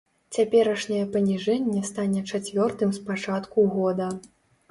Цяперашняе паніжэнне стане чацвёртым з пачатку года.